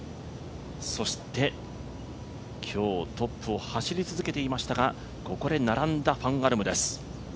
そして今日トップを走り続けていましたがここで並んだファン・アルムです。